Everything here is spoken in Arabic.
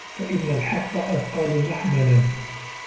فَإِنَّ الْحَقَّ أَثْقَلُ مَحْمَلًا